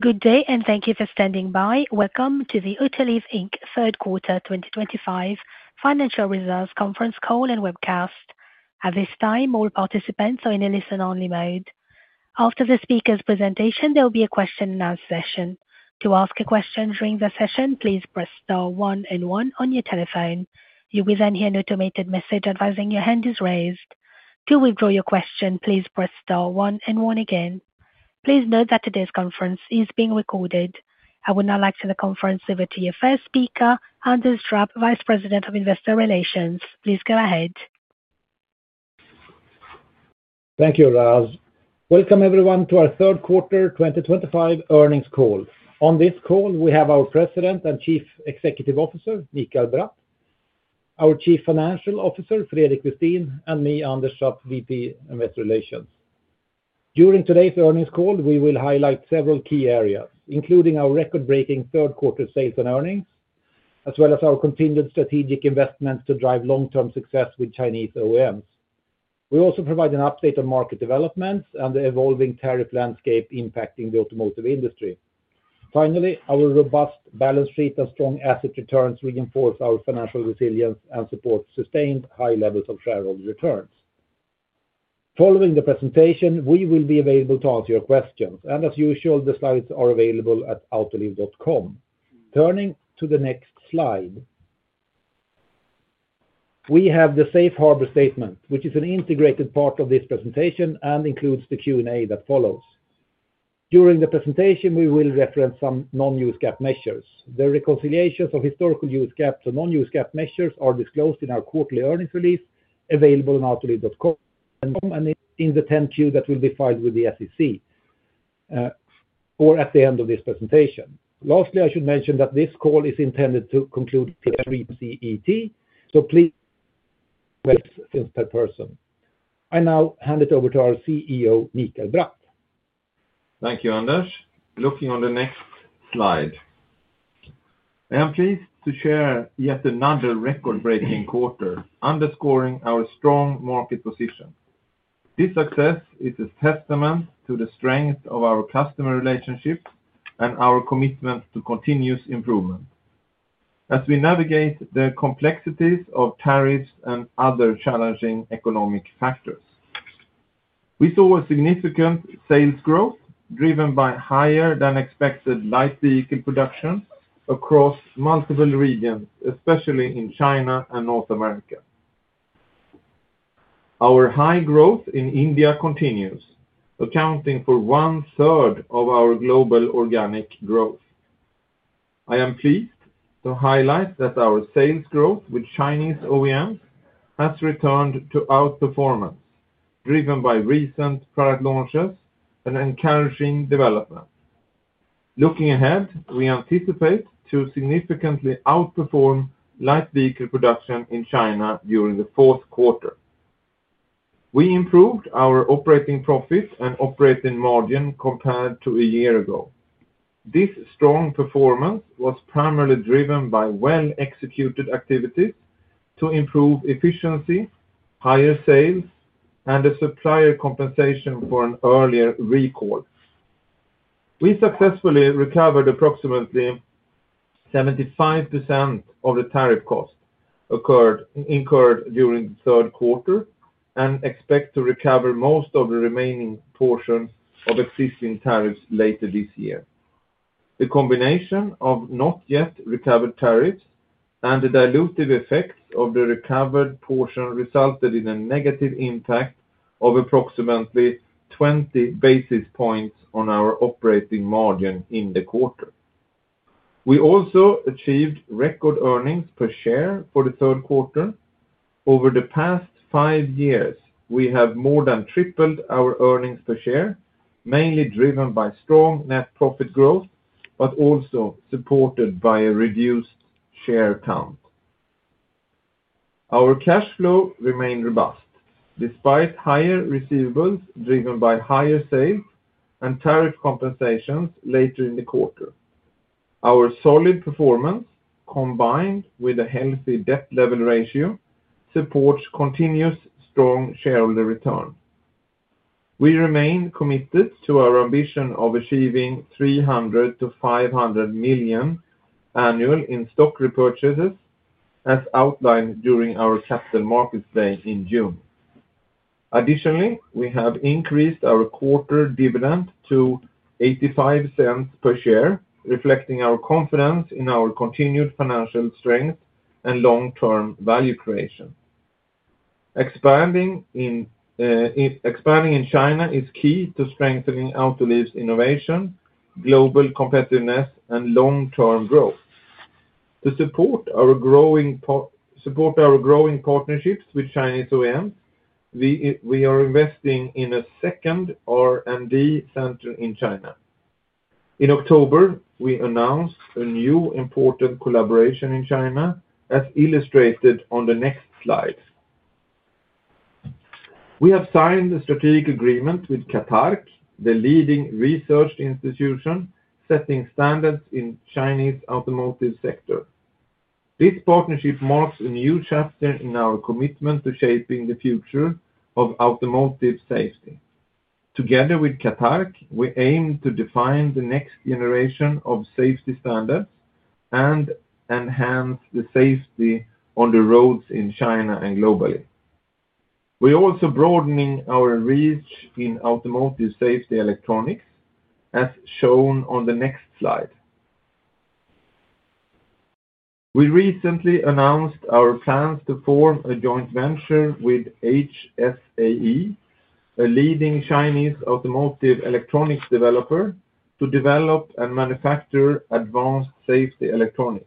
Good day and thank you for standing by. Welcome to the Autoliv Inc. Third Quarter 2025 Financial Results Conference Call and Webcast. At this time, all participants are in a listen-only mode. After the speaker's presentation, there will be a question-and-answer session. To ask a question during the session, please press star one and one on your telephone. You will then hear an automated message advising your hand is raised. To withdraw your question, please press star one and one again. Please note that today's conference is being recorded. I would now like to turn the conference over to your first speaker, Anders Trapp, Vice President of Investor Relations. Please go ahead. Thank you, Rars. Welcome everyone to our third quarter 2025 earnings call. On this call, we have our President and Chief Executive Officer, Mikael Bratt, our Chief Financial Officer, Fredrik Westin, and me, Anders Trapp, VP of Investor Relations. During today's earnings call, we will highlight several key areas, including our record-breaking third-quarter sales and earnings, as well as our continued strategic investments to drive long-term success with Chinese OEMs. We also provide an update on market developments and the evolving tariff landscape impacting the automotive industry. Finally, our robust balance sheet and strong asset returns reinforce our financial resilience and support sustained high levels of shareholder returns. Following the presentation, we will be available to answer your questions, and as usual, the slides are available at autoliv.com. Turning to the next slide. We have the Safe Harbor Statement, which is an integrated part of this presentation and includes the Q&A that follows. During the presentation, we will reference some non-U.S. GAAP measures. The reconciliations of historical U.S. GAAP and non-U.S. GAAP measures are disclosed in our quarterly earnings release available on autoliv.com and in the Form 10-Q that will be filed with the SEC or at the end of this presentation. Lastly, I should mention that this call is intended to conclude with a reach CET, so please wait for your questions in person. I now hand it over to our CEO, Mikael Bratt. Thank you, Anders. Looking on the next slide. I am pleased to share yet another record-breaking quarter, underscoring our strong market position. This success is a testament to the strength of our customer relationships and our commitment to continuous improvement as we navigate the complexities of tariffs and other challenging economic factors. We saw a significant sales growth driven by higher-than-expected light vehicle production across multiple regions, especially in China and North America. Our high growth in India continues, accounting for 1/3 of our global organic growth. I am pleased to highlight that our sales growth with Chinese OEMs has returned to outperformance, driven by recent product launches and encouraging development. Looking ahead, we anticipate to significantly outperform light vehicle production in China during the fourth quarter. We improved our operating profit and operating margin compared to a year ago. This strong performance was primarily driven by well-executed activities to improve efficiency, higher sales, and a supplier compensation for an earlier recall. We successfully recovered approximately 75% of the tariff costs incurred during the third quarter and expect to recover most of the remaining portions of existing tariffs later this year. The combination of not-yet-recovered tariffs and the dilutive effects of the recovered portion resulted in a negative impact of approximately 20 basis points on our operating margin in the quarter. We also achieved record earnings per share for the third quarter. Over the past five years, we have more than tripled our earnings per share, mainly driven by strong net profit growth but also supported by a reduced share count. Our cash flow remained robust despite higher receivables driven by higher sales and tariff compensations later in the quarter. Our solid performance, combined with a healthy debt level ratio, supports continuous strong shareholder returns. We remain committed to our ambition of achieving $300 million to $500 million annual in stock repurchases, as outlined during our Capital Markets Day in June. Additionally, we have increased our quarter dividend to $0.85 per share, reflecting our confidence in our continued financial strength and long-term value creation. Expanding in China is key to strengthening Autoliv's innovation, global competitiveness, and long-term growth. To support our growing partnerships with Chinese OEMs, we are investing in a second R&D center in China. In October, we announced a new important collaboration in China, as illustrated on the next slide. We have signed a strategic agreement with CATARC, the leading research institution setting standards in the Chinese automotive sector. This partnership marks a new chapter in our commitment to shaping the future of automotive safety. Together with CATARC, we aim to define the next generation of safety standards and enhance the safety on the roads in China and globally. We are also broadening our reach in automotive safety electronics, as shown on the next slide. We recently announced our plans to form a joint venture with HSAE, a leading Chinese automotive electronics developer, to develop and manufacture advanced safety electronics.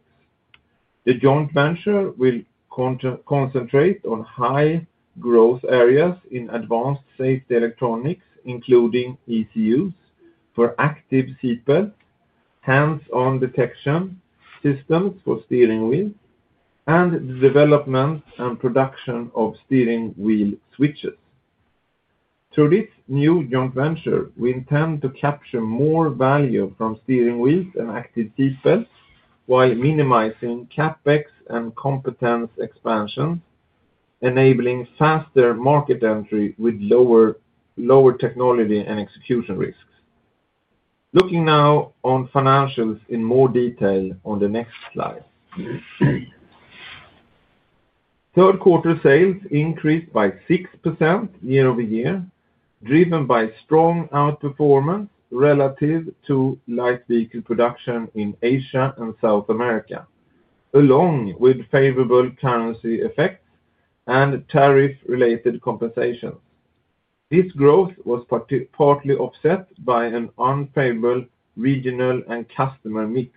The joint venture will concentrate on high-growth areas in advanced safety electronics, including ECUs for active seatbelts, hands-on detection systems for steering wheels, and the development and production of steering wheel switches. Through this new joint venture, we intend to capture more value from steering wheels and active seatbelts while minimizing CapEx and competence expansions, enabling faster market entry with lower technology and execution risks. Looking now on financials in more detail on the next slide. Third quarter sales increased by 6% year-over-year, driven by strong outperformance relative to light vehicle production in Asia and South America, along with favorable currency effects and tariff-related compensations. This growth was partly offset by an unfavorable regional and customer mix.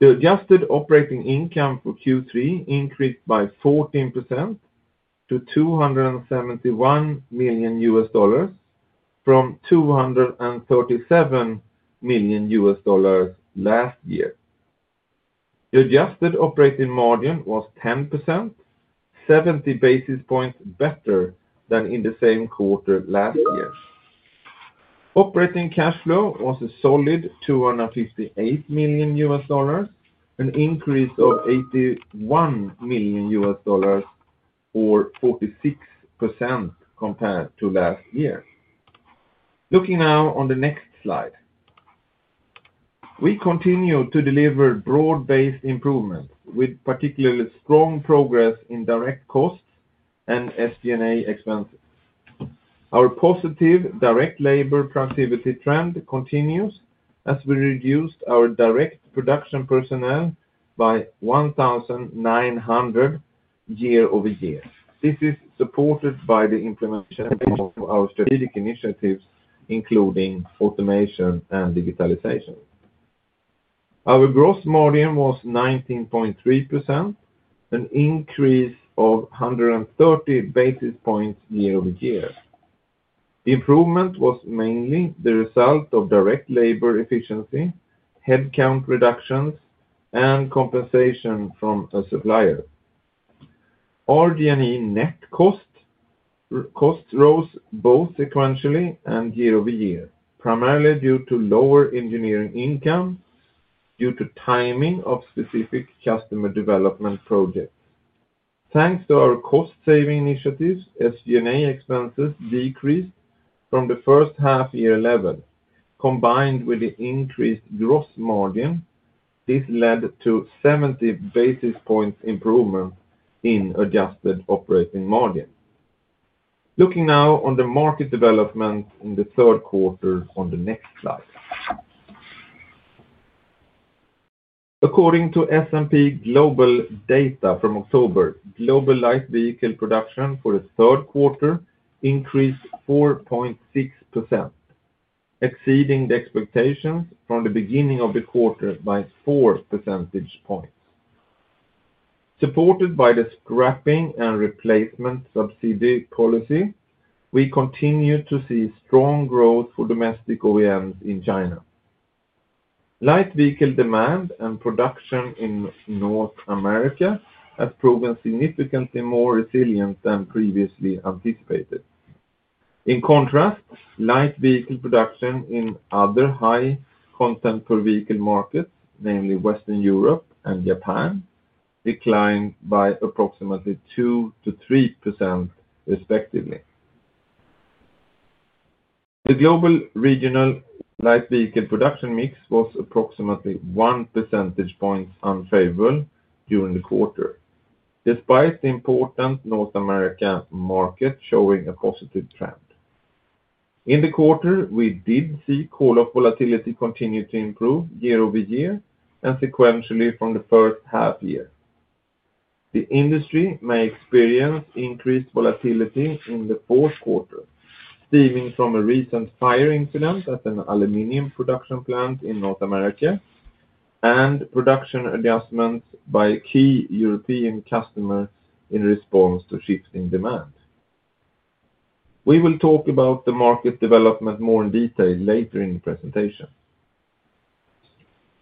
The adjusted operating income for Q3 increased by 14% to $271 million, from $237 million last year. The adjusted operating margin was 10%, 70 basis points better than in the same quarter last year. Operating cash flow was a solid $258 million, an increase of $81 million, or 46% compared to last year. Looking now on the next slide, we continue to deliver broad-based improvements, with particularly strong progress in direct costs and SG&A expenses. Our positive direct labor productivity trend continues as we reduced our direct production personnel by 1,900 year-over-year. This is supported by the implementation of our strategic initiatives, including automation and digitalization. Our gross margin was 19.3%, an increase of 130 basis points year-over-year. The improvement was mainly the result of direct labor efficiency, headcount reductions, and compensation from a supplier. Our G&E net costs rose both sequentially and year-over-year, primarily due to lower engineering income due to timing of specific customer development projects. Thanks to our cost-saving initiatives, SG&A expenses decreased from the first half-year level. Combined with the increased gross margin, this led to 70 basis points improvement in adjusted operating margin. Looking now on the market developments in the third quarter on the next slide. According to S&P Global data from October, global light vehicle production for the third quarter increased 4.6%, exceeding the expectations from the beginning of the quarter by 4 percentage points. Supported by the scrapping and replacement subsidy policy, we continue to see strong growth for domestic OEMs in China. Light vehicle demand and production in North America have proven significantly more resilient than previously anticipated. In contrast, light vehicle production in other high-content-per-vehicle markets, namely Western Europe and Japan, declined by approximately 2%-3%, respectively. The global regional light vehicle production mix was approximately 1 percentage point unfavorable during the quarter, despite the important North American market showing a positive trend. In the quarter, we did see coil-off volatility continue to improve year-over-year and sequentially from the first half-year. The industry may experience increased volatility in the fourth quarter, stemming from a recent fire incident at an aluminum production plant in North America and production adjustments by a key European customer in response to shifting demand. We will talk about the market development more in detail later in the presentation.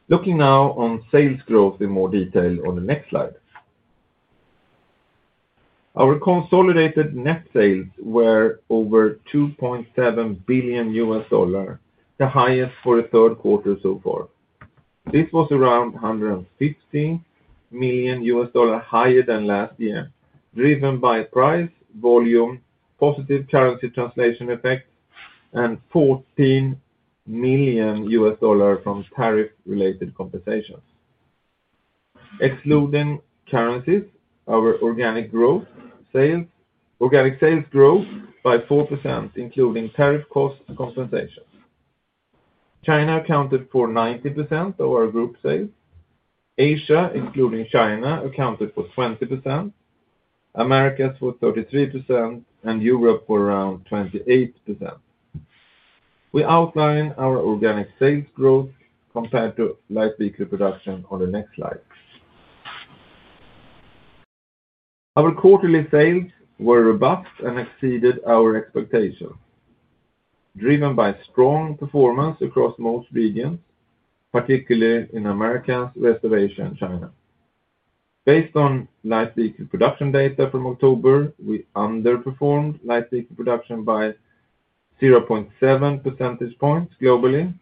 Looking now on sales growth in more detail on the next slide. Our consolidated net sales were over $2.7 billion, the highest for the third quarter so far. This was around $150 million higher than last year, driven by price volume, positive currency translation effects, and $14 million from tariff-related compensations. Excluding currencies, our organic sales growth by 4%, including tariff costs and compensations. China accounted for 90% of our group sales. Asia, excluding China, accounted for 20%. Americas for 33%, and Europe for around 28%. We outline our organic sales growth compared to light vehicle production on the next slide. Our quarterly sales were robust and exceeded our expectations, driven by strong performance across most regions, particularly in the Americas, West Asia, and China. Based on light vehicle production data from October, we underperformed light vehicle production by 0.7% globally,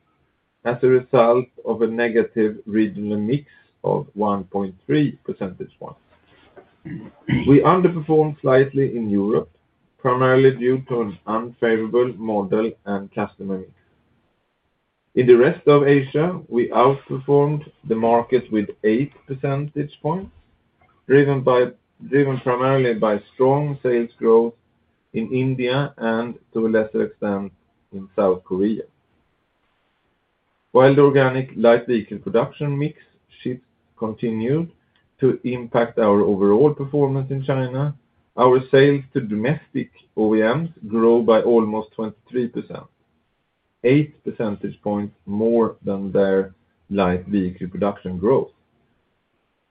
as a result of a negative regional mix of 1.3%. We underperformed slightly in Europe, primarily due to an unfavorable model and customer mix. In the rest of Asia, we outperformed the market with 8%, driven primarily by strong sales growth in India and, to a lesser extent, in South Korea. While the organic light vehicle production mix shifts continued to impact our overall performance in China, our sales to domestic OEMs grew by almost 23%, 8% more than their light vehicle production growth.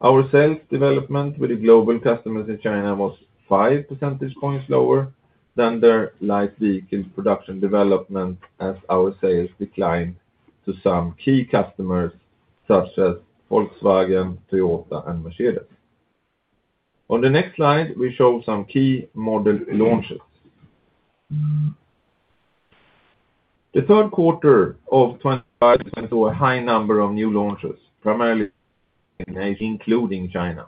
Our sales development with the global customers in China was 5% lower than their light vehicle production development, as our sales declined to some key customers, such as Volkswagen, Toyota, and Mercedes. On the next slide, we show some key model launches. The third quarter of 2025 went through a high number of new launches, primarily in Asia, including China.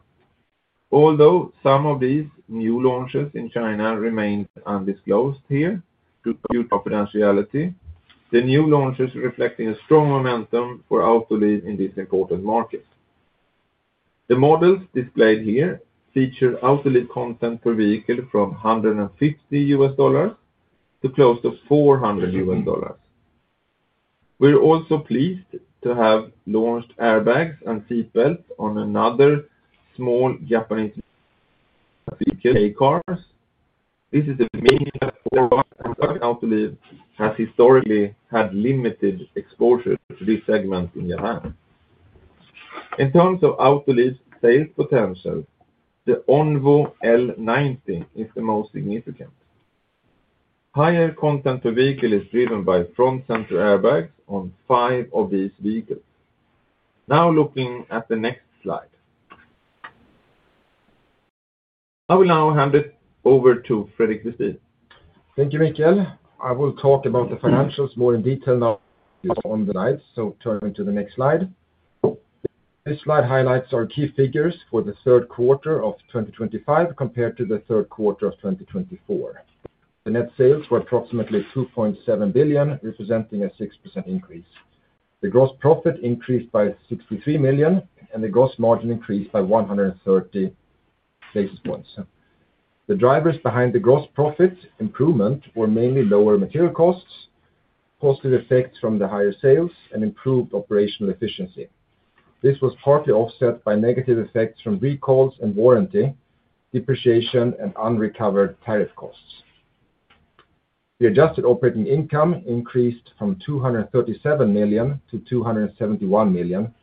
Although some of these new launches in China remained undisclosed here due to confidentiality, the new launches reflect a strong momentum for Autoliv in these important markets. The models displayed here feature Autoliv content per vehicle from $150 to close to $400. We're also pleased to have launched airbags and seatbelts on another small Japanese vehicle, A-Cars. This is a meaningful forward step because Autoliv has historically had limited exposure to this segment in Japan. In terms of Autoliv's sales potential, the Onvo L90 is the most significant. Higher content per vehicle is driven by front center airbags on five of these vehicles. Now looking at the next slide, I will now hand it over to Fredrik Westin. Thank you, Mikael. I will talk about the financials more in detail now on the slides, so turn to the next slide. This slide highlights our key figures for the third quarter of 2025 compared to the third quarter of 2024. The net sales were approximately $2.7 billion, representing a 6% increase. The gross profit increased by $63 million, and the gross margin increased by 130 basis points. The drivers behind the gross profit improvement were mainly lower material costs, positive effects from the higher sales, and improved operational efficiency. This was partly offset by negative effects from recalls and warranty, depreciation, and unrecovered tariff costs. The adjusted operating income increased from $237 million to $271 million,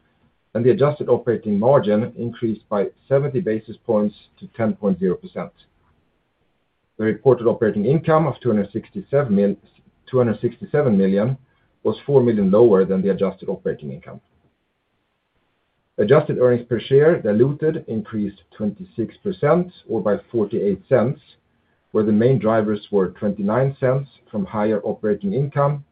and the adjusted operating margin increased by 70 basis points to 10.0%. The reported operating income of $267 million was $4 million lower than the adjusted operating income. Adjusted earnings per share diluted increased 26% or by $0.48, where the main drivers were $0.29 from higher operating income,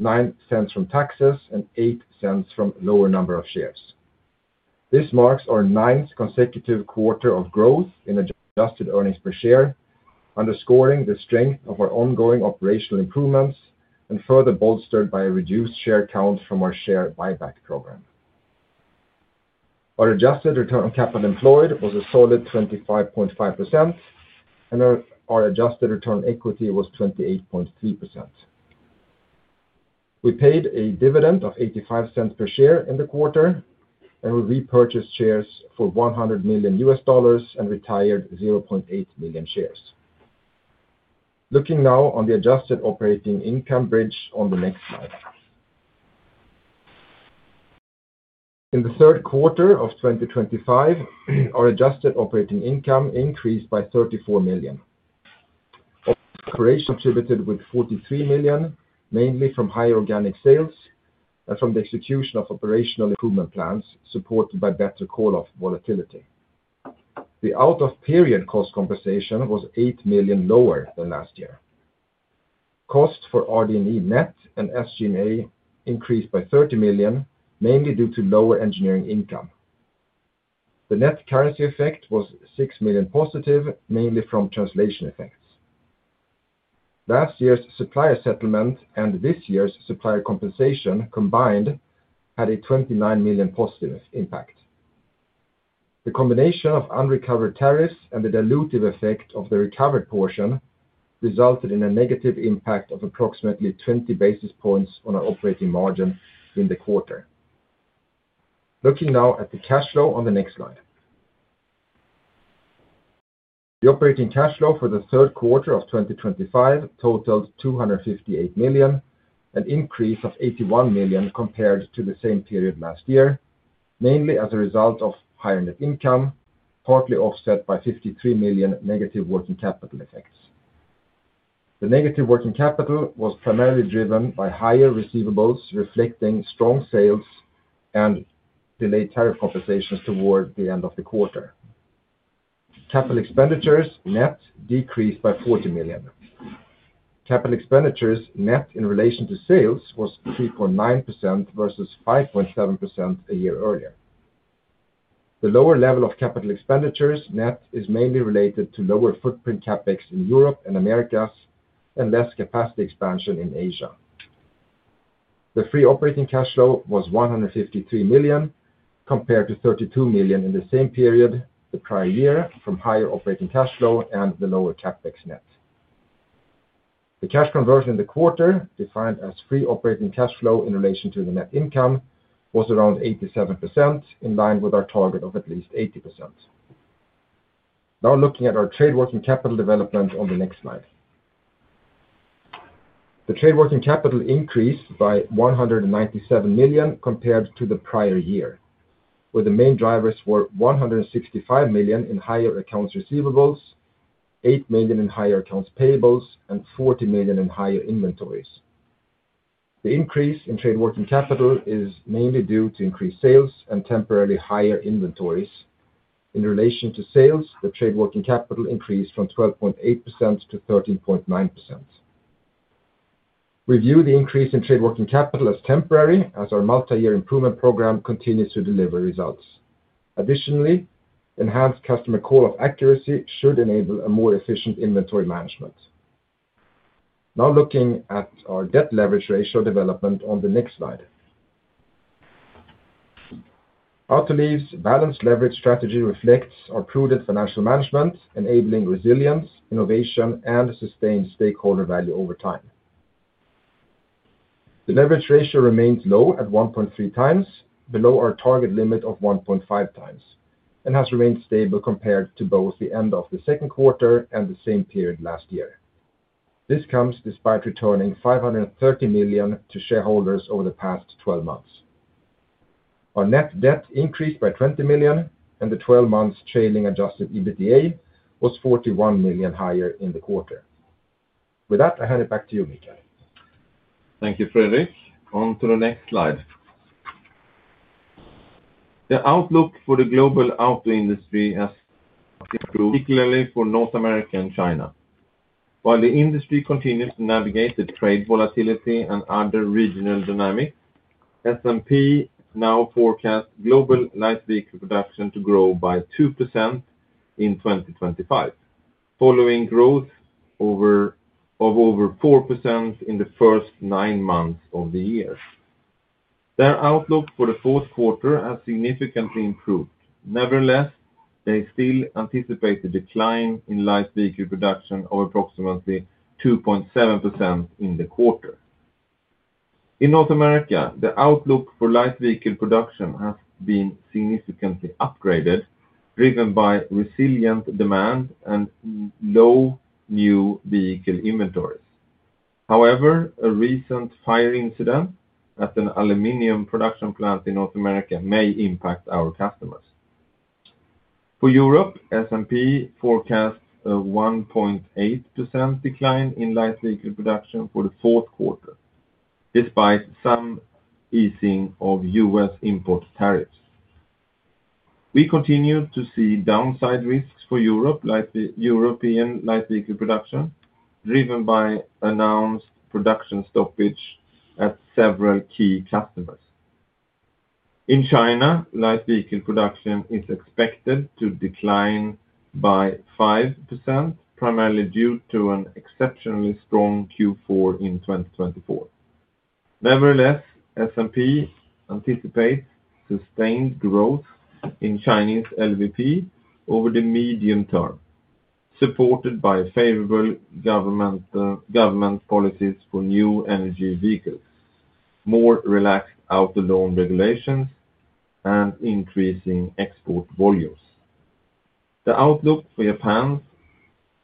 $0.09 from taxes, and $0.08 from a lower number of shares. This marks our ninth consecutive quarter of growth in adjusted earnings per share, underscoring the strength of our ongoing operational improvements and further bolstered by a reduced share count from our share buyback program. Our adjusted return on capital employed was a solid 25.5%, and our adjusted return on equity was 28.3%. We paid a dividend of $0.85 per share in the quarter, and we repurchased shares for $100 million and retired 0.8 million shares. Looking now on the adjusted operating income bridge on the next slide. In the third quarter of 2025, our adjusted operating income increased by $34 million. Operations contributed with $43 million, mainly from high organic sales and from the execution of operational improvement plans supported by better coil-off volatility. The out-of-period cost compensation was $8 million lower than last year. Costs for RD&E net and SG&A increased by $30 million, mainly due to lower engineering income. The net currency effect was $6 million positive, mainly from translation effects. Last year's supplier settlement and this year's supplier compensation combined had a $29 million positive impact. The combination of unrecovered tariffs and the dilutive effect of the recovered portion resulted in a negative impact of approximately 20 basis points on our operating margin in the quarter. Looking now at the cash flow on the next slide. The operating cash flow for the third quarter of 2025 totaled $258 million, an increase of $81 million compared to the same period last year, mainly as a result of higher net income, partly offset by $53 million negative working capital effects. The negative working capital was primarily driven by higher receivables, reflecting strong sales and delayed tariff compensations toward the end of the quarter. Capital expenditures net decreased by $40 million. Capital expenditures net in relation to sales was 3.9% versus 5.7% a year earlier. The lower level of capital expenditures net is mainly related to lower footprint CapEx in Europe and Americas and less capacity expansion in Asia. The free operating cash flow was $153 million compared to $32 million in the same period the prior year from higher operating cash flow and the lower CapEx net. The cash conversion in the quarter, defined as free operating cash flow in relation to the net income, was around 87%, in line with our target of at least 80%. Now looking at our trade working capital development on the next slide. The trade working capital increased by $197 million compared to the prior year, where the main drivers were $165 million in higher accounts receivables, $8 million in higher accounts payables, and $40 million in higher inventories. The increase in trade working capital is mainly due to increased sales and temporarily higher inventories. In relation to sales, the trade working capital increased from 12.8% to 13.9%. We view the increase in trade working capital as temporary, as our multi-year improvement program continues to deliver results. Additionally, enhanced customer coil-off accuracy should enable a more efficient inventory management. Now looking at our debt leverage ratio development on the next slide. Autoliv's balanced leverage strategy reflects our prudent financial management, enabling resilience, innovation, and sustained stakeholder value over time. The leverage ratio remains low at 1.3x, below our target limit of 1.5x, and has remained stable compared to both the end of the second quarter and the same period last year. This comes despite returning $530 million to shareholders over the past 12 months. Our net debt increased by $20 million, and the 12 months trailing adjusted EBITDA was $41 million higher in the quarter. With that, I hand it back to you, Mikael Thank you, Fredrik. On to the next slide. The outlook for the global auto industry has improved, particularly for North America and China. While the industry continues to navigate the trade volatility and other regional dynamics, S&P now forecasts global light vehicle production to grow by 2% in 2025, following growth of over 4% in the first nine months of the year. Their outlook for the fourth quarter has significantly improved. Nevertheless, they still anticipate a decline in light vehicle production of approximately 2.7% in the quarter. In North America, the outlook for light vehicle production has been significantly upgraded, driven by resilient demand and low new vehicle inventories. However, a recent fire incident at an aluminum production plant in North America may impact our customers. For Europe, S&P forecasts a 1.8% decline in light vehicle production for the fourth quarter, despite some easing of U.S. import tariffs. We continue to see downside risks for Europe's light vehicle production, driven by announced production stoppage at several key customers. In China, light vehicle production is expected to decline by 5%, primarily due to an exceptionally strong Q4 in 2024. Nevertheless, S&P anticipates sustained growth in Chinese LVP over the medium term, supported by favorable government policies for new energy vehicles, more relaxed auto loan regulations, and increasing export volumes. The outlook for Japan's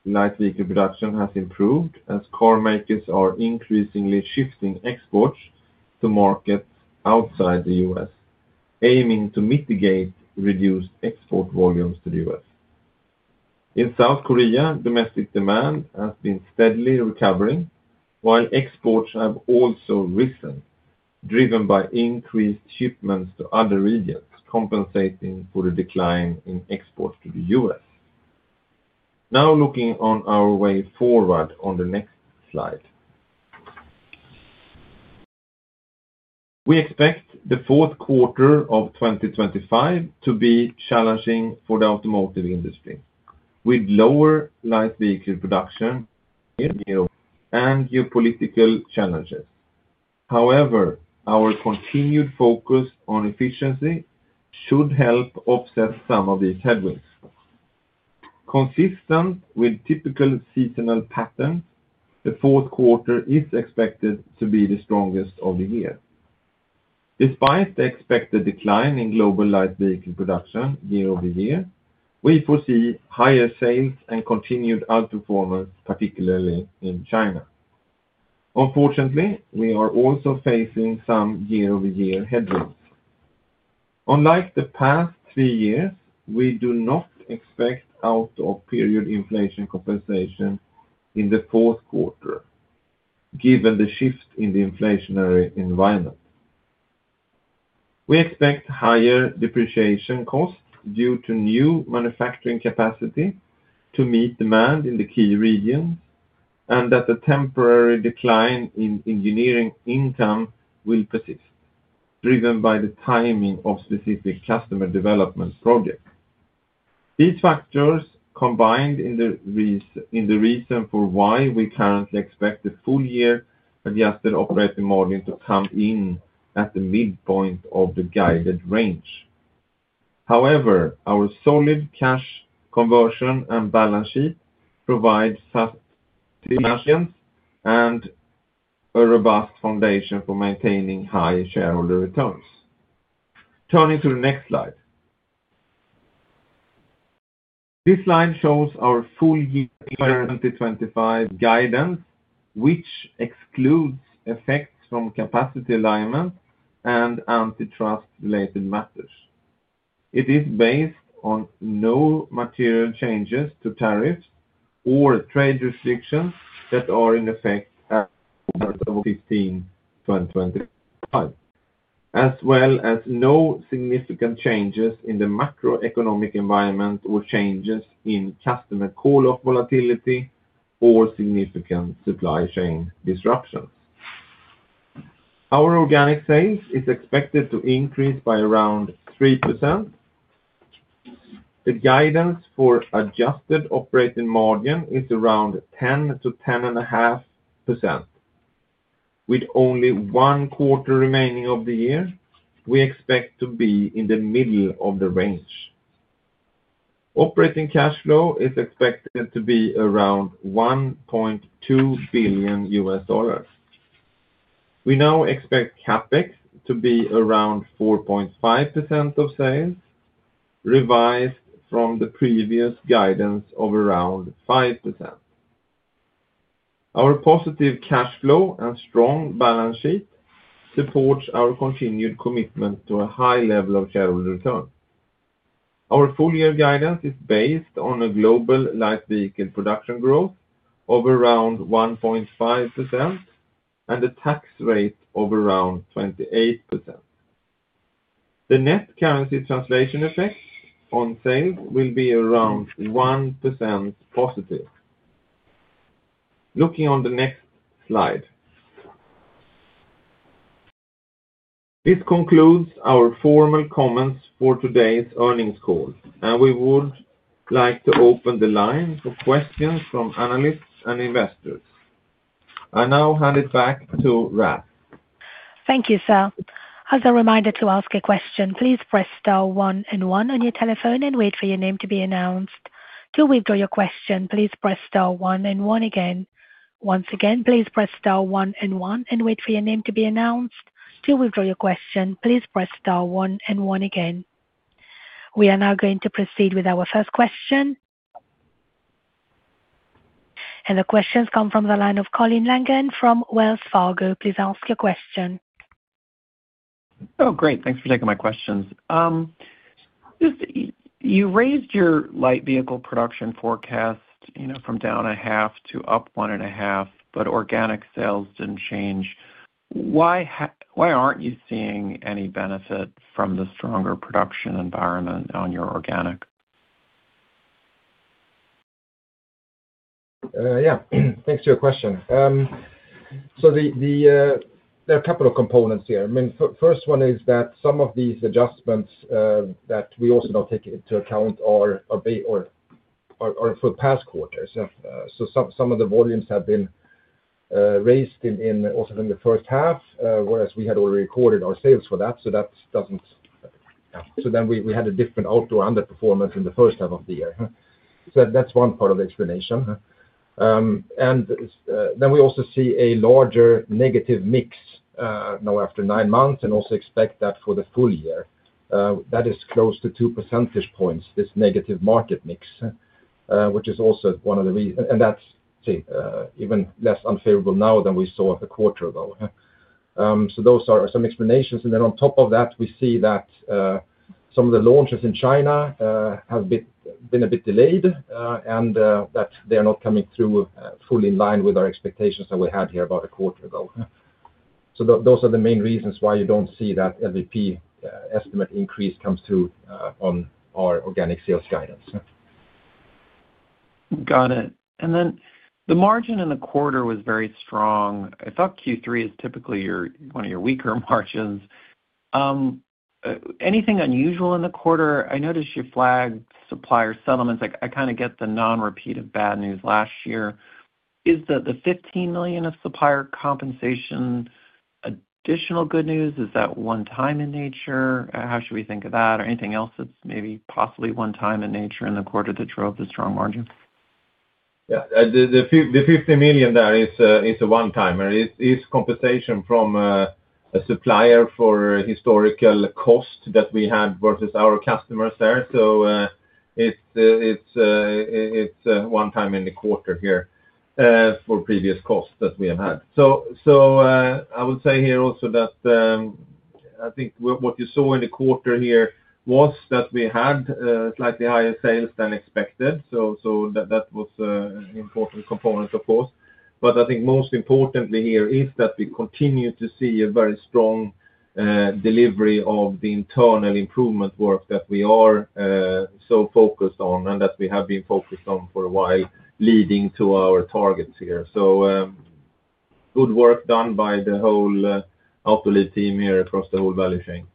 light vehicle production has improved, as car makers are increasingly shifting exports to markets outside the U.S., aiming to mitigate reduced export volumes to the U.S. In South Korea, domestic demand has been steadily recovering, while exports have also risen, driven by increased shipments to other regions, compensating for the decline in exports to the U.S. Now looking on our way forward on the next slide. We expect the fourth quarter of 2025 to be challenging for the automotive industry, with lower light vehicle production and geopolitical challenges. However, our continued focus on efficiency should help offset some of these headwinds. Consistent with typical seasonal patterns, the fourth quarter is expected to be the strongest of the year. Despite the expected decline in global light vehicle production year-over-year, we foresee higher sales and continued outperformance, particularly in China. Unfortunately, we are also facing some year-over-year headwinds. Unlike the past three years, we do not expect out-of-period inflation compensation in the fourth quarter, given the shift in the inflationary environment. We expect higher depreciation costs due to new manufacturing capacity to meet demand in the key regions, and that the temporary decline in engineering income will persist, driven by the timing of specific customer development projects. These factors combine in the reason for why we currently expect the full-year adjusted operating margin to come in at the midpoint of the guided range. However, our solid cash conversion and balance sheet provide fast expansions and a robust foundation for maintaining high shareholder returns. Turning to the next slide. This slide shows our full-year 2025 guidance, which excludes effects from capacity alignment and antitrust-related matters. It is based on no material changes to tariffs or trade restrictions that are in effect as part of 2025, as well as no significant changes in the macroeconomic environment or changes in customer coil-off volatility or significant supply chain disruptions. Our organic sales are expected to increase by around 3%. The guidance for adjusted operating margin is around 10%-10.5%. With only one quarter remaining of the year, we expect to be in the middle of the range. Operating cash flow is expected to be around $1.2 billion. We now expect CapEx to be around 4.5% of sales, revised from the previous guidance of around 5%. Our positive cash flow and strong balance sheet support our continued commitment to a high level of shareholder return. Our full-year guidance is based on a global light vehicle production growth of around 1.5% and a tax rate of around 28%. The net currency translation effect on sales will be around 1% positive. Looking on the next slide. This concludes our formal comments for today's earnings call, and we would like to open the line for questions from analysts and investors. I now hand it back to Rars. Thank you, sir. As a reminder to ask a question, please press star one and one on your telephone and wait for your name to be announced. To withdraw your question, please press star one and one again. Once again, please press star one and one and wait for your name to be announced. To withdraw your question, please press star one and one again. We are now going to proceed with our first question. The questions come from the line of Colin Langan from Wells Fargo. Please ask your question. Oh, great. Thanks for taking my questions. You raised your light vehicle production forecast, you know, from down 0.%5 to up 1.5%, but organic sales didn't change. Why aren't you seeing any benefit from the stronger production environment on your organic? Yeah. Thanks for your question. There are a couple of components here. I mean, the first one is that some of these adjustments that we also now take into account are for past quarters. Some of the volumes have been raised also in the first half, whereas we had already recorded our sales for that. That doesn't, yeah. We had a different outdoor underperformance in the first half of the year. That's one part of the explanation. We also see a larger negative mix now after nine months and also expect that for the full year. That is close to 2 percentage points, this negative market mix, which is also one of the reasons, and that's, say, even less unfavorable now than we saw a quarter ago. Those are some explanations. On top of that, we see that some of the launches in China have been a bit delayed, and that they are not coming through fully in line with our expectations that we had here about a quarter ago. Those are the main reasons why you don't see that LVP estimate increase come through on our organic sales guidance. Got it. The margin in the quarter was very strong. I thought Q3 is typically one of your weaker margins. Anything unusual in the quarter? I noticed you flagged supplier settlements. I kind of get the non-repeat of bad news last year. Is the $15 million of supplier compensation additional good news? Is that one-time in nature? How should we think of that? Anything else that's maybe possibly one-time in nature in the quarter that drove the strong margin? Yeah. The $50 million there is a one-time, and it is compensation from a supplier for historical costs that we had versus our customers there. It is one time in the quarter here, for previous costs that we have had. I would say here also that, I think what you saw in the quarter here was that we had slightly higher sales than expected. That was an important component, of course. I think most importantly here is that we continue to see a very strong delivery of the internal improvement work that we are so focused on and that we have been focused on for a while, leading to our targets here. Good work done by the whole Autoliv team here across the whole value chain.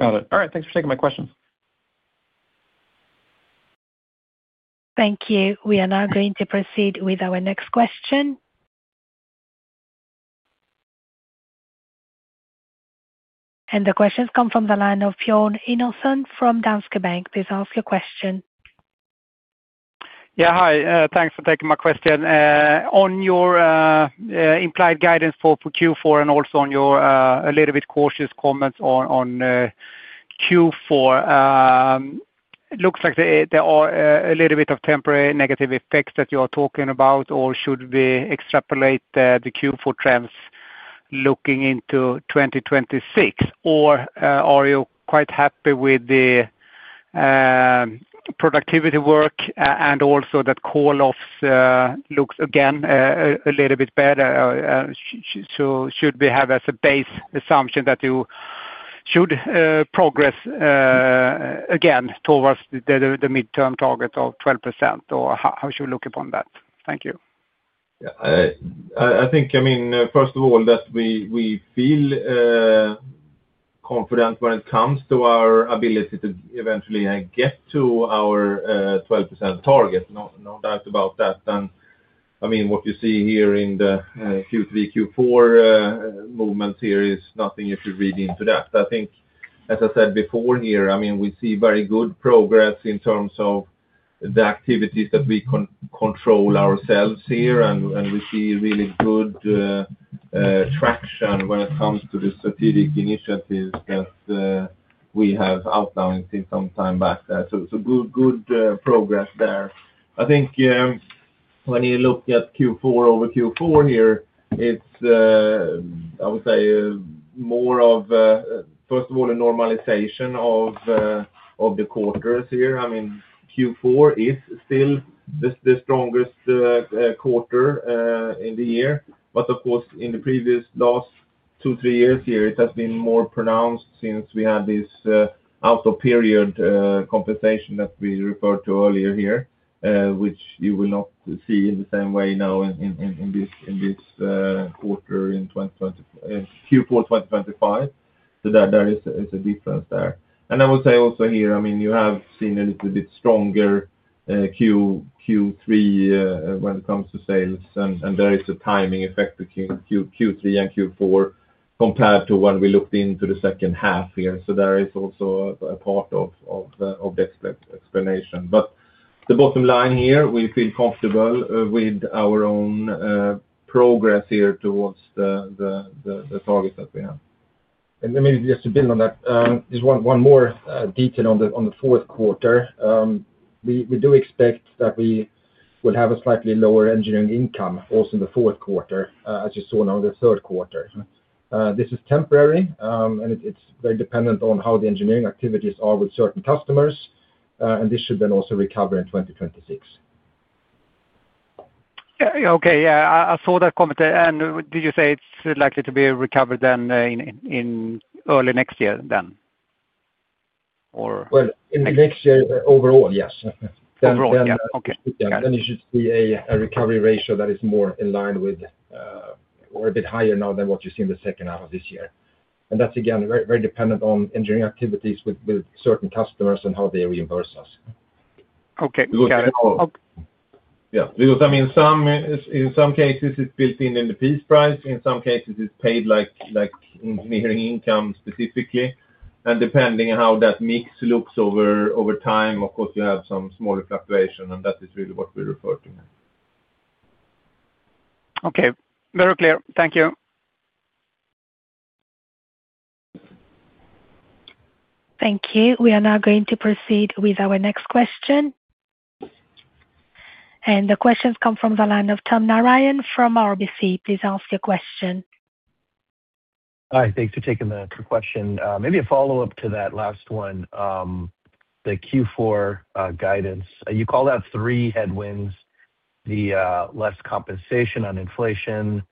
Got it. All right. Thanks for taking my questions. Thank you. We are now going to proceed with our next question. The questions come from the line of Björn Inoson from Danske Bank. Please ask your question. Hi. Thanks for taking my question. On your implied guidance for Q4 and also on your a little bit cautious comments on Q4, it looks like there are a little bit of temporary negative effects that you are talking about. Should we extrapolate the Q4 trends looking into 2026? Are you quite happy with the productivity work and also that coil-offs look again a little bit better? Should we have as a base assumption that you should progress again towards the midterm target of 12%? How should we look upon that? Thank you. Yeah. I think, first of all, that we feel confident when it comes to our ability to eventually get to our 12% target. No doubt about that. What you see here in the Q3, Q4 movement is nothing if you read into that. I think, as I said before, we see very good progress in terms of the activities that we control ourselves. We see really good traction when it comes to the strategic initiatives that we have outlined some time back. Good progress there. I think when you look at Q4 over Q4, it's, I would say, more of, first of all, a normalization of the quarters. Q4 is still the strongest quarter in the year. Of course, in the previous last two, three years, it has been more pronounced since we had this out-of-period compensation that we referred to earlier, which you will not see in the same way now in this quarter in Q4 2025. There is a difference there. I would say also, you have seen a little bit stronger Q3 when it comes to sales. There is a timing effect between Q3 and Q4 compared to when we looked into the second half. There is also a part of the explanation. The bottom line, we feel comfortable with our own progress towards the targets that we have. Maybe just to build on that, just one more detail on the fourth quarter. We do expect that we will have a slightly lower engineering income also in the fourth quarter, as you saw now in the third quarter. This is temporary, and it's very dependent on how the engineering activities are with certain customers. This should then also recover in 2026. Okay. Yeah. I saw that comment. Did you say it's likely to be recovered in early next year then? In next year overall, yes. Overall. Okay. You should see a recovery ratio that is more in line with or a bit higher now than what you see in the second half of this year. That's, again, very dependent on engineering activities with certain customers and how they reimburse us. Okay. Got it. Yeah. In some cases, it's built in in the piece price. In some cases, it's paid like engineering income specifically. Depending on how that mix looks over time, of course, you have some smaller fluctuation. That is really what we refer to here. Okay. Very clear. Thank you. Thank you. We are now going to proceed with our next question. The questions come from the line of Tom Narayan from RBC Capital Markets. Please ask your question. Hi. Thanks for taking the question. Maybe a follow-up to that last one, the Q4 guidance. You call out three headwinds: the less compensation on inflation,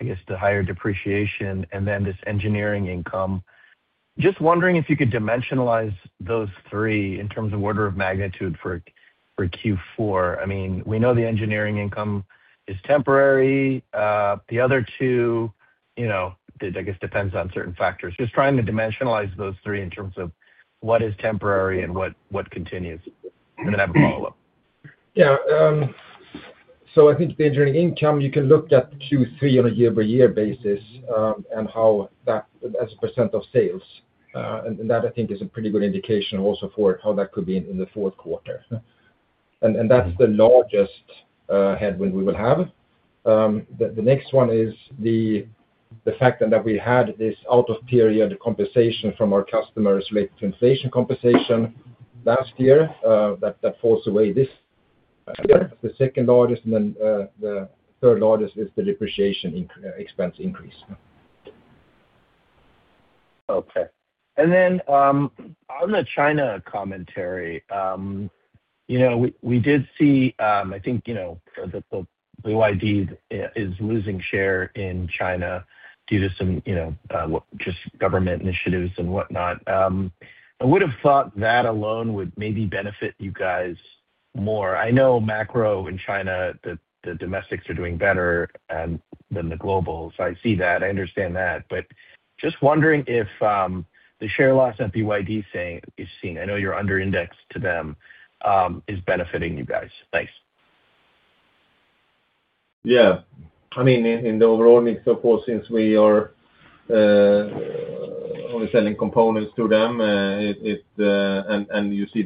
I guess the higher depreciation, and then this engineering income. Just wondering if you could dimensionalize those three in terms of order of magnitude for Q4. I mean, we know the engineering income is temporary. The other two, you know, I guess, depends on certain factors. Just trying to dimensionalize those three in terms of what is temporary and what continues. I have a follow-up. Yeah. I think the engineering income, you can look at Q3 on a year-by-year basis and how that as a percentage of sales. That, I think, is a pretty good indication also for how that could be in the fourth quarter. That's the largest headwind we will have. The next one is the fact that we had this out-of-period compensation from our customers related to inflation compensation last year. That falls away this year. That's the second largest. The third largest is the depreciation expense increase. Okay. On the China commentary, we did see that BYD is losing share in China due to some government initiatives and whatnot. I would have thought that alone would maybe benefit you guys more. I know macro in China, the domestics are doing better than the globals. I see that. I understand that. Just wondering if the share loss that BYD is seeing, I know you're under-indexed to them, is benefiting you guys. Thanks. Yeah. I mean, in the overall mix, of course, since we are only selling components to them, and you see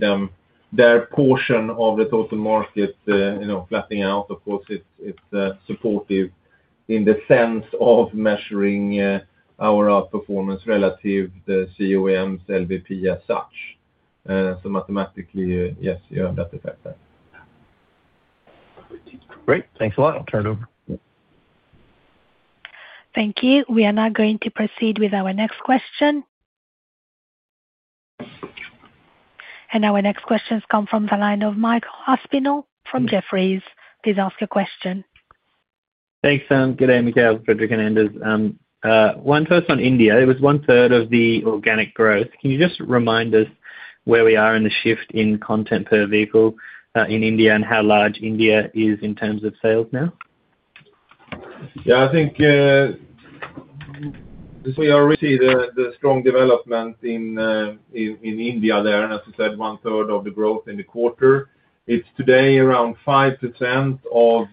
their portion of the total market, you know, flattening out, of course, it's supportive in the sense of measuring our outperformance relative to the COEMs, LVP as such. Mathematically, yes, you have that effect there. Great, thanks a lot. I'll turn it over. Thank you. We are now going to proceed with our next question. Our next questions come from the line of Michael Aspinall from Jefferies. Please ask your question. Thanks, Sam. Good day, Mikael, Fredrik, and Anders. One first on India. It was one-third of the organic growth. Can you just remind us where we are in the shift in content per vehicle in India, and how large India is in terms of sales now? Yeah. I think we are. See the strong development in India there. As I said, one-third of the growth in the quarter. It's today around 5% of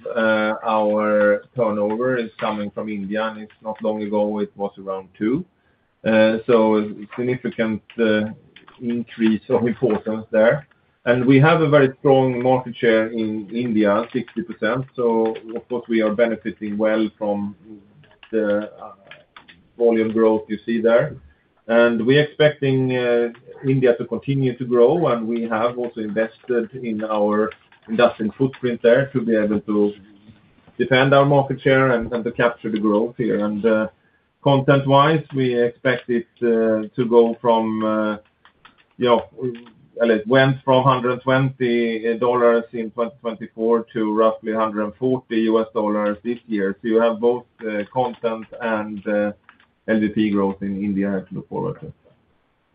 our turnover is coming from India. It's not long ago, it was around 2%. A significant increase of importance there. We have a very strong market share in India, 60%. Of course, we are benefiting well from the volume growth you see there. We are expecting India to continue to grow. We have also invested in our investment footprint there to be able to defend our market share and to capture the growth here. Content-wise, we expect it to go from, you know, it went from $120 in 2024 to roughly $140 this year. You have both content and light vehicle production growth in India to look forward to.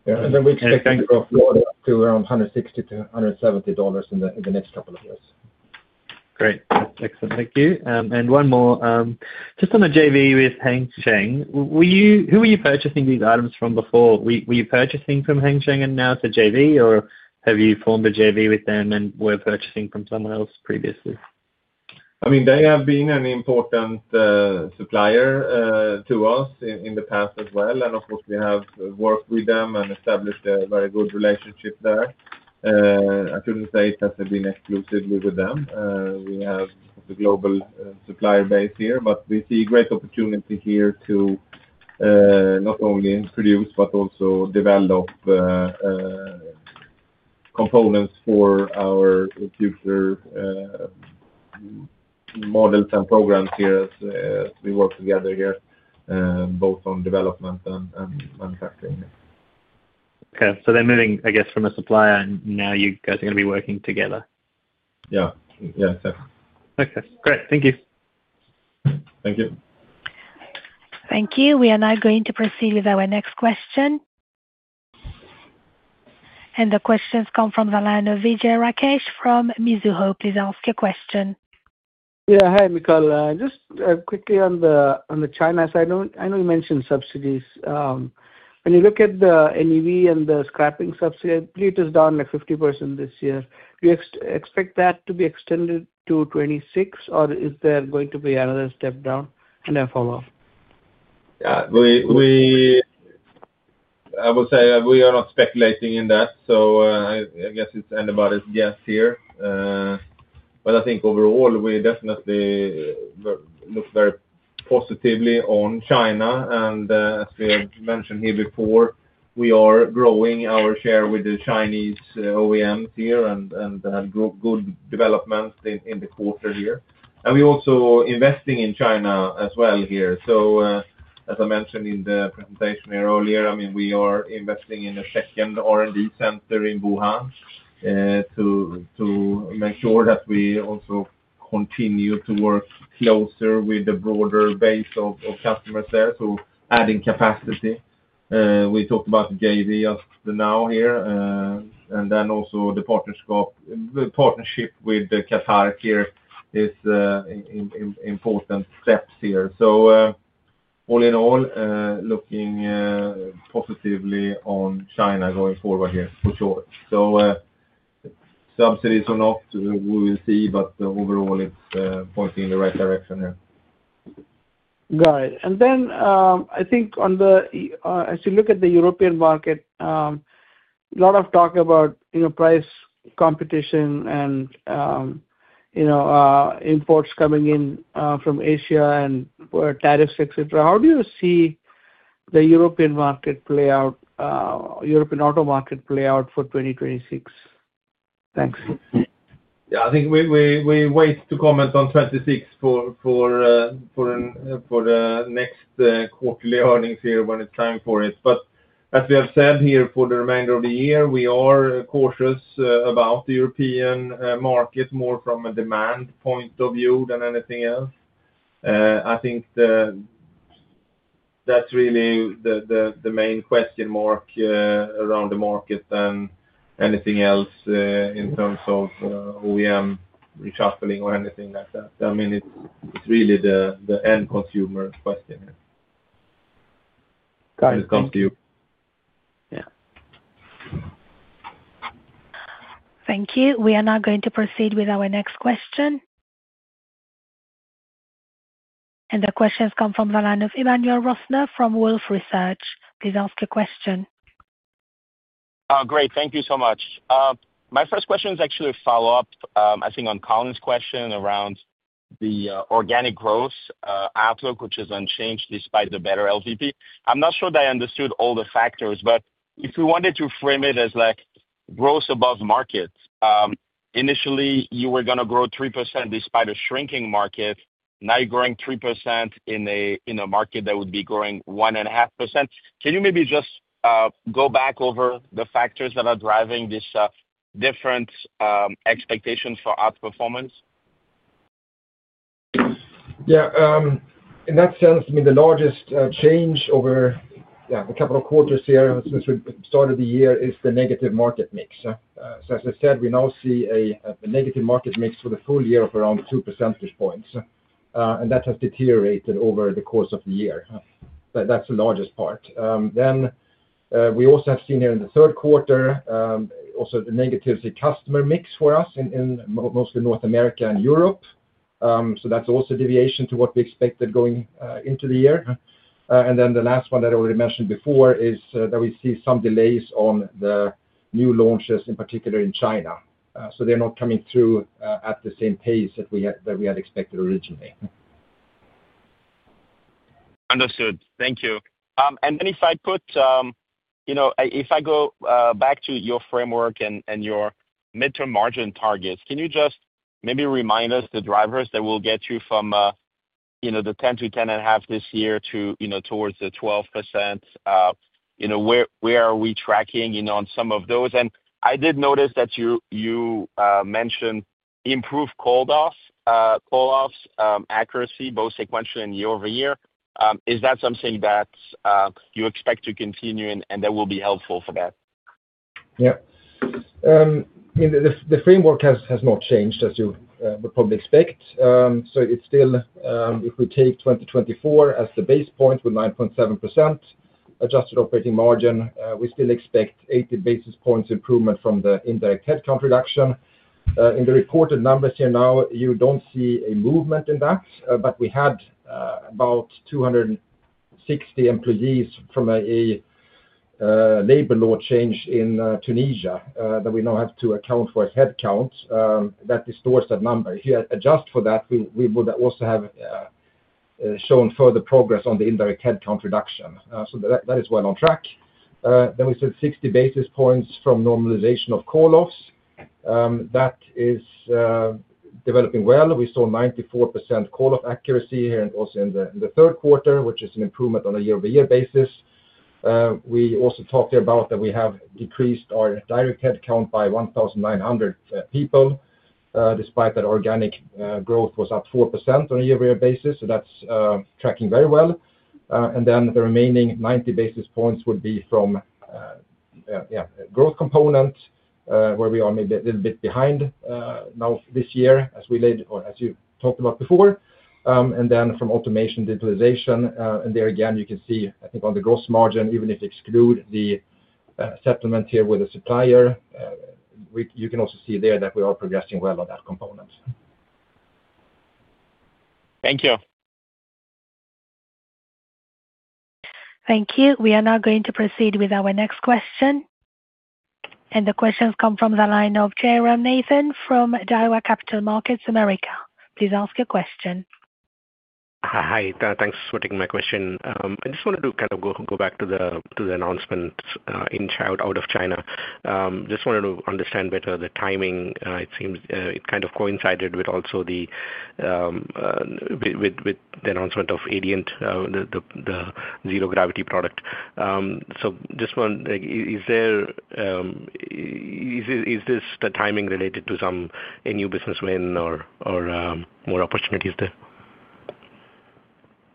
We expect it to go further up to around $160-$170 in the next couple of years. Great. Excellent. Thank you. One more. Just on the JV with Hang Cheng, who were you purchasing these items from before? Were you purchasing from Hang Cheng and now to JV, or have you formed a JV with them and were purchasing from someone else previously? I mean, they have been an important supplier to us in the past as well. Of course, we have worked with them and established a very good relationship there. I couldn't say it has been exclusively with them. We have a global supplier base here, but we see great opportunity here to not only produce but also develop components for our future models and programs here as we work together here, both on development and manufacturing. Okay. They're moving, I guess, from a supplier, and now you guys are going to be working together? Yeah, yeah, exactly. Okay. Great. Thank you. Thank you. Thank you. We are now going to proceed with our next question. The questions come from the line of Vijay Rakesh from Mizuho. Please ask your question. Yeah. Hi, Mikael. Just quickly on the China side, I know you mentioned subsidies. When you look at the NEV and the scrapping subsidy, I believe it is down like 50% this year. Do you expect that to be extended to 2026, or is there going to be another step down? Then follow up. Yeah. I would say we are not speculating in that. I guess it's anybody's guess here. I think overall, we definitely look very positively on China. As we have mentioned here before, we are growing our share with the Chinese OEMs here and had good developments in the quarter here. We are also investing in China as well here. As I mentioned in the presentation here earlier, I mean, we are investing in a second R&D center in Wuhan to make sure that we also continue to work closer with the broader base of customers there, so adding capacity. We talked about JV just now here. The partnership with CATARC here is an important step here. All in all, looking positively on China going forward here for sure. Subsidies or not, we will see, but overall, it's pointing in the right direction here. Got it. As you look at the European market, a lot of talk about price competition and imports coming in from Asia and tariffs, etc. How do you see the European auto market play out for 2026? Thanks. Yeah. I think we wait to comment on '26 for the next quarterly earnings here when it's time for it. As we have said here for the remainder of the year, we are cautious about the European market more from a demand point of view than anything else. I think that's really the main question mark around the market than anything else in terms of OEM reshuffling or anything like that. I mean, it's really the end consumer question here. Got it. When it comes to Europe. Yeah. Thank you. We are now going to proceed with our next question. The questions come from the line of Emmanuel Rosner from Wolfe Research. Please ask your question. Oh, great. Thank you so much. My first question is actually a follow-up. I think on Colin's question around the organic growth outlook, which is unchanged despite the better LVP. I'm not sure that I understood all the factors, but if we wanted to frame it as like growth above market, initially, you were going to grow 3% despite a shrinking market. Now you're growing 3% in a market that would be growing 1.5%. Can you maybe just go back over the factors that are driving this different expectations for outperformance? Yeah. In that sense, the largest change over the capital quarters here since we started the year is the negative market mix. As I said, we now see a negative market mix for the full year of around 2%. That has deteriorated over the course of the year. That's the largest part. We have also seen here in the third quarter the negatives in customer mix for us, mostly in North America and Europe. That's also a deviation to what we expected going into the year. The last one that I already mentioned before is that we see some delays on the new launches, in particular in China. They're not coming through at the same pace that we had expected originally. Understood. Thank you. If I go back to your framework and your midterm margin targets, can you just maybe remind us the drivers that will get you from the 10%-10.5% this year to towards the 12%? Where are we tracking on some of those? I did notice that you mentioned improved coil-off accuracy, both sequentially and year-over-year. Is that something that you expect to continue in and that will be helpful for that? Yeah. I mean, the framework has not changed as you would probably expect. It's still, if we take 2024 as the base point with 9.7% adjusted operating margin, we still expect 80 basis points improvement from the indirect headcount reduction. In the reported numbers here now, you don't see a movement in that, but we had about 260 employees from a labor law change in Tunisia that we now have to account for headcount. That distorts that number. If you adjust for that, we would also have shown further progress on the indirect headcount reduction. That is well on track. We said 60 basis points from normalization of coil-offs. That is developing well. We saw 94% coil-off accuracy here and also in the third quarter, which is an improvement on a year-over-year basis. We also talked about that we have decreased our direct headcount by 1,900 people despite that organic growth was at 4% on a year-over-year basis. That's tracking very well. The remaining 90 basis points would be from growth component, where we are maybe a little bit behind now this year as we laid, or as you talked about before, and from automation digitalization. There again, you can see, I think, on the gross margin, even if you exclude the settlement here with a supplier, you can also see there that we are progressing well on that component. Thank you. Thank you. We are now going to proceed with our next question. The questions come from the line of Jairam Nathan from Daiwa Capital Markets America. Please ask your question. Hi. Thanks for taking my question. I just wanted to kind of go back to the announcement out of China. I just wanted to understand better the timing. It seems it kind of coincided with also the announcement of Adient, the zero-gravity product. Just one, is this timing related to some new business win or more opportunities there?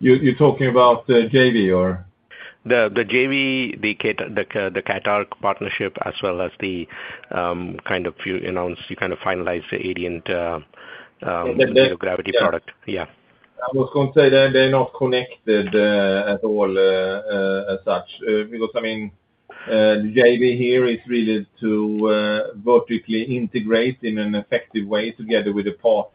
You're talking about JV or? The JV, the CATARC partnership, as well as the kind of announced you kind of finalized the Adient zero-gravity product. Yeah. I was going to say they're not connected at all as such. The JV here is really to vertically integrate in an effective way together with a partner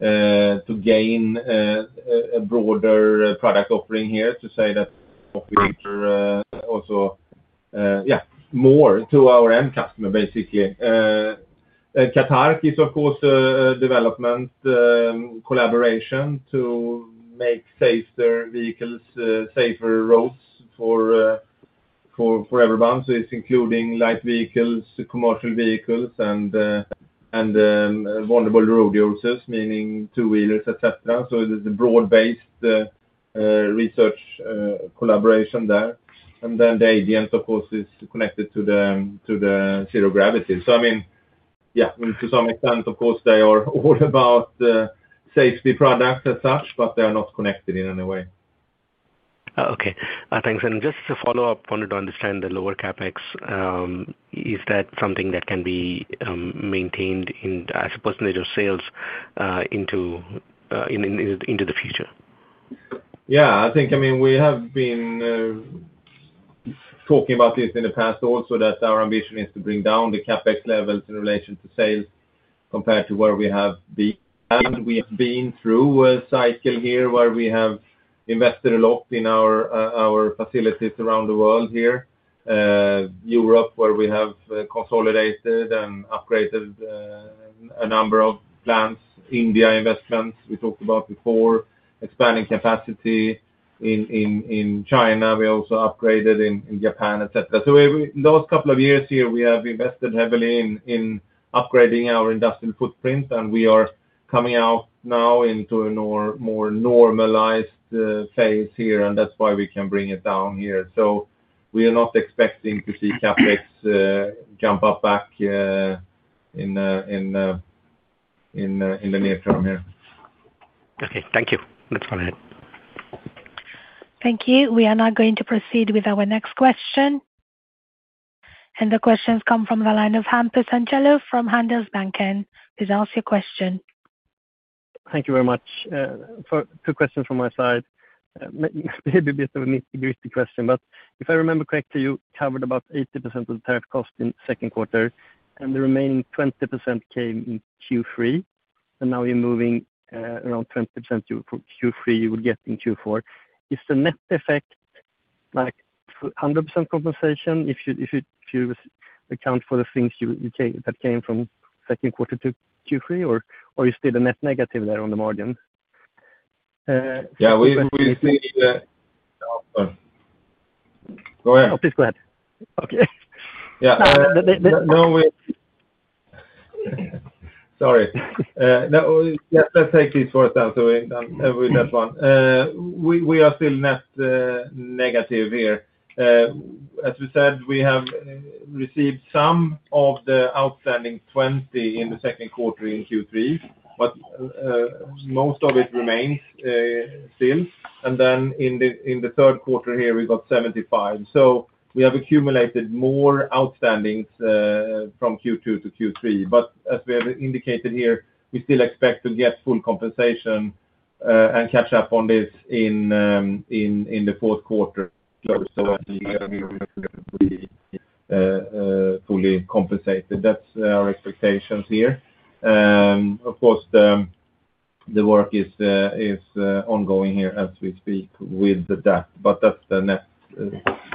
to gain a broader product offering here to say that we offer also, yeah, more to our end customer, basically. CATARC is, of course, a development collaboration to make safer vehicles, safer roads for everyone. It's including light vehicles, commercial vehicles, and vulnerable road users, meaning two-wheelers, etc. It is a broad-based research collaboration there. The Adient, of course, is connected to the zero-gravity. I mean, yeah, to some extent, of course, they are all about safety products as such, but they are not connected in any way. Okay. Thanks. Just to follow up, I wanted to understand the lower CapEx. Is that something that can be maintained as a percentage of sales into the future? Yeah. I think, I mean, we have been talking about this in the past also that our ambition is to bring down the CapEx levels in relation to sales compared to where we have been. We have been through a cycle here where we have invested a lot in our facilities around the world, Europe, where we have consolidated and upgraded a number of plants, India investments we talked about before, expanding capacity in China. We also upgraded in Japan, etc. In the last couple of years, we have invested heavily in upgrading our industrial footprint. We are coming out now into a more normalized phase here. That is why we can bring it down here. We are not expecting to see CapEx jump up back in the near term here. Okay, thank you. That's fine. Thank you. We are now going to proceed with our next question. The questions come from the line of Hampus Engellau from Handelsbanken. Please ask your question. Thank you very much. A quick question from my side. Maybe a bit of a nitty-gritty question, but if I remember correctly, you covered about 80% of the tariff cost in the second quarter, and the remaining 20% came in Q3. Now you're moving around 20% for Q3 you will get in Q4. Is the net effect like 100% compensation if you account for the things that came from second quarter to Q3, or are you still a net negative there on the margin? Yeah, please go ahead. Oh, please go ahead. Okay. Yeah. Sorry. Let's take this first, so we're done with that one. We are still net negative here. As we said, we have received some of the outstanding $20 million in the second quarter in Q3, but most of it remains still. In the third quarter here, we got $75 million. We have accumulated more outstandings from Q2 to Q3. As we have indicated here, we still expect to get full compensation and catch up on this in the fourth quarter close. I think we are fully compensated. That's our expectations here. Of course, the work is ongoing here as we speak with that, but that's the net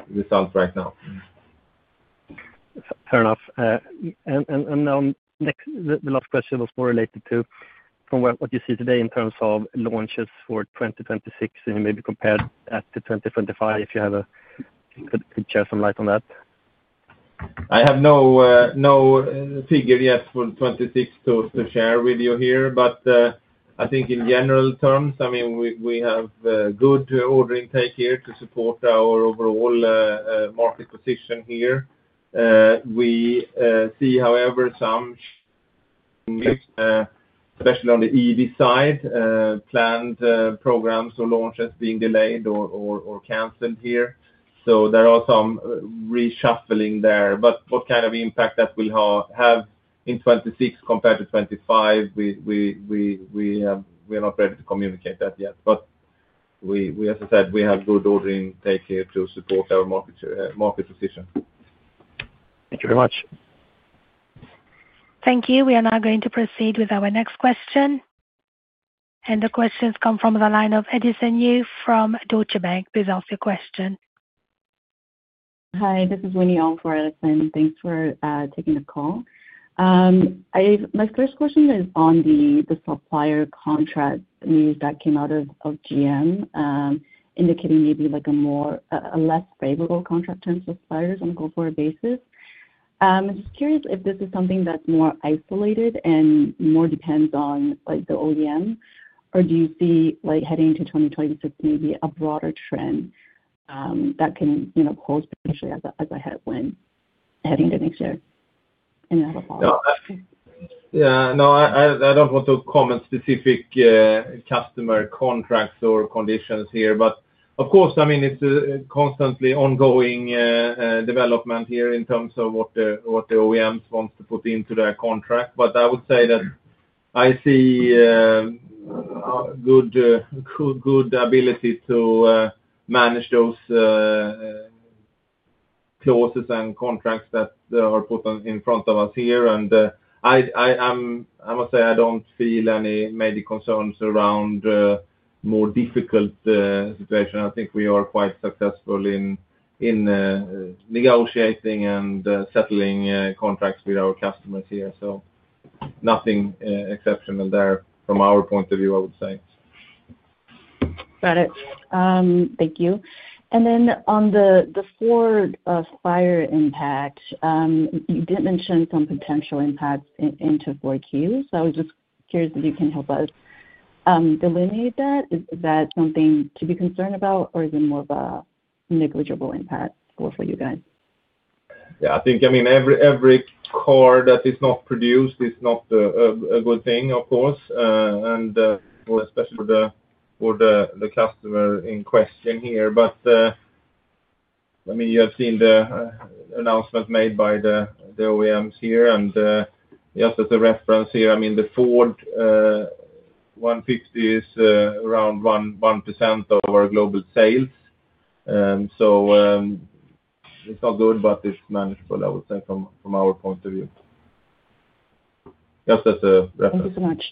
result right now. Fair enough. The last question was more related to from what you see today in terms of launches for 2026, and you maybe compare that to 2025 if you could share some light on that. I have no figure yet for 2026 to share with you here, but I think in general terms, I mean, we have a good order intake here to support our overall market position here. We see, however, some mixed, especially on the EV side, planned programs or launches being delayed or canceled here. There are some reshuffling there. What kind of impact that will have in 2026 compared to 2025, we are not ready to communicate that yet. As I said, we have good order intake here to support our market position. Thank you very much. Thank you. We are now going to proceed with our next question. The questions come from the line of Edison Yu from Deutsche Bank. Please ask your question. Hi. This is Winnie on for Edison. Thanks for taking the call. My first question is on the supplier contract news that came out of GM, indicating maybe like a more less favorable contract terms for suppliers on a go-forward basis. I'm just curious if this is something that's more isolated and more depends on like the OEM, or do you see like heading into 2026 maybe a broader trend that can pose potentially as a headwind heading into next year? I have a follow-up. No, I don't want to comment specific customer contracts or conditions here. Of course, it's a constantly ongoing development here in terms of what the OEMs want to put into their contract. I would say that I see a good ability to manage those clauses and contracts that are put in front of us here. I must say I don't feel any major concerns around a more difficult situation. I think we are quite successful in negotiating and settling contracts with our customers here. Nothing exceptional there from our point of view, I would say. Got it. Thank you. On the Ford supplier impact, you did mention some potential impacts into Ford Q. I was just curious if you can help us delineate that. Is that something to be concerned about, or is it more of a negligible impact for you guys? Yeah. I think, I mean, every car that is not produced is not a good thing, of course, especially for the customer in question here. You have seen the announcements made by the OEMs here. Just as a reference, the Ford 150 is around 1% of our global sales. It's not good, but it's manageable, I would say, from our point of view. Just as a reference. Thank you so much.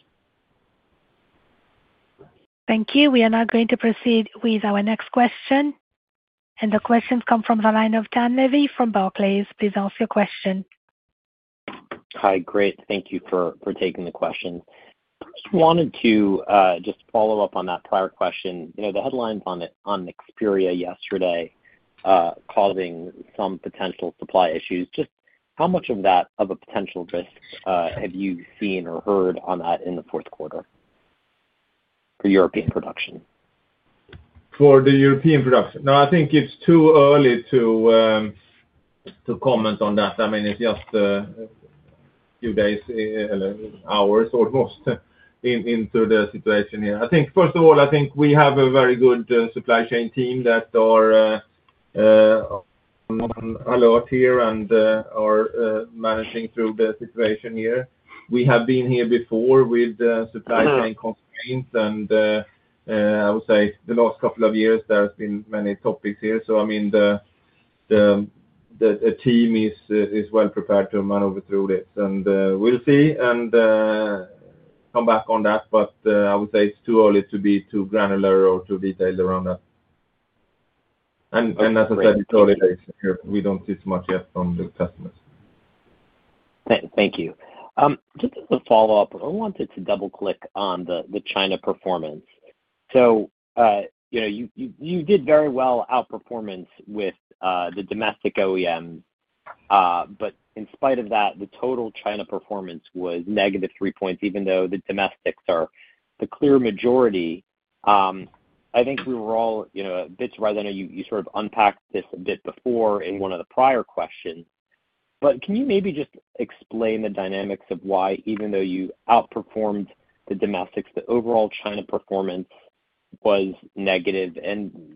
Thank you. We are now going to proceed with our next question. The questions come from the line of Dan Levy from Barclays Bank. Please ask your question. Hi. Great. Thank you for taking the question. I just wanted to follow up on that prior question. You know, the headlines on Xperia yesterday causing some potential supply issues. Just how much of that of a potential risk have you seen or heard on that in the fourth quarter for European production? For the European production, no, I think it's too early to comment on that. I mean, it's just a few days, hours, or almost into the situation here. I think, first of all, we have a very good supply chain team that are on alert here and are managing through the situation here. We have been here before with supply chain constraints. I would say the last couple of years, there's been many topics here. The team is well prepared to maneuver through this. We'll see and come back on that. I would say it's too early to be too granular or too detailed around that. As I said, it's early days here. We don't see too much yet from the customers. Thank you. Just as a follow-up, I wanted to double-click on the China performance. You did very well outperformance with the domestic OEMs. In spite of that, the total China performance was negative 3 points, even though the domestics are the clear majority. I think we were all a bit surprised. I know you sort of unpacked this a bit before in one of the prior questions. Can you maybe just explain the dynamics of why, even though you outperformed the domestics, the overall China performance was negative?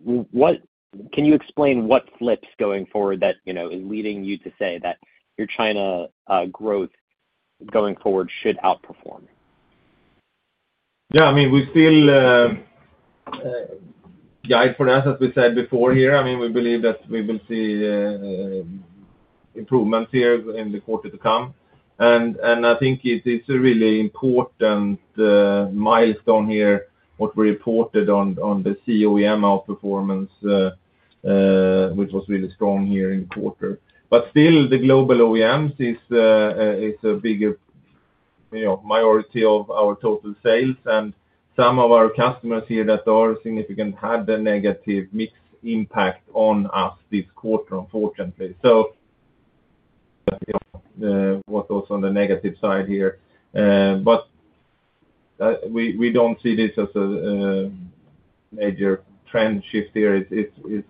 What can you explain what flips going forward that is leading you to say that your China growth going forward should outperform? Yeah. I mean, we still, for us, as we said before here, we believe that we will see improvements here in the quarter to come. I think it is a really important milestone here, what we reported on the COEM outperformance, which was really strong here in the quarter. Still, the global OEMs is a bigger majority of our total sales, and some of our customers here that are significant had a negative mix impact on us this quarter, unfortunately. That was on the negative side here. We don't see this as a major trend shift here. It's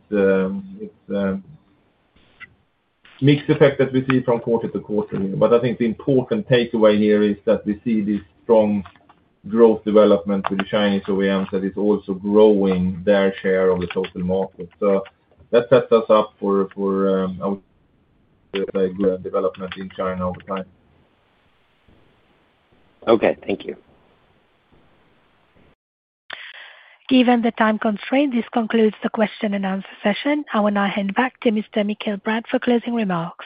a mixed effect that we see from quarter to quarter here. I think the important takeaway here is that we see this strong growth development with the Chinese OEMs that is also growing their share of the total market. That sets us up for, I would say, good development in China over time. Okay. Thank you. Given the time constraint, this concludes the question and answer session. I will now hand back to Mr. Mikael Bratt for closing remarks.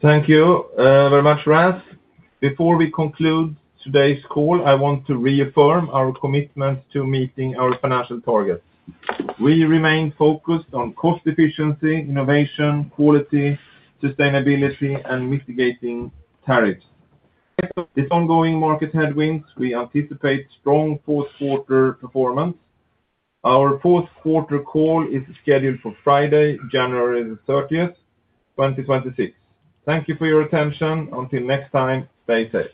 Thank you very much, Rars. Before we conclude today's call, I want to reaffirm our commitment to meeting our financial targets. We remain focused on cost efficiency, innovation, quality, sustainability, and mitigating tariffs. With ongoing market headwinds, we anticipate strong fourth quarter performance. Our fourth quarter call is scheduled for Friday, January 30, 2026. Thank you for your attention. Until next time, stay safe.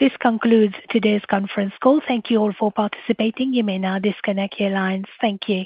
This concludes today's conference call. Thank you all for participating. You may now disconnect your lines. Thank you.